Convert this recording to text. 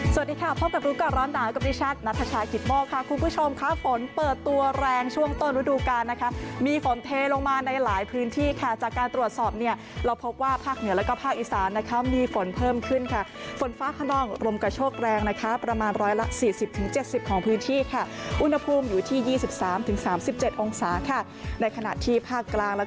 สวัสดีค่ะพบกับรุ๊กก่อนร้อนดาวกับดิฉันนัทชาหกิตโมค่ะคุณผู้ชมค่ะฝนเปิดตัวแรงช่วงต้นวันดูกานะคะมีฝนเทลงมาในหลายพื้นที่ค่ะจากการตรวจสอบเนี่ยเราพบว่าภาคเหนือแล้วก็ภาคอีสานนะครับมีฝนเพิ่มขึ้นค่ะฝนฟ้าข้างนอกรมกระโชคแรงนะครับประมาณร้อยละสี่สิบถึงเจ็ดสิบของ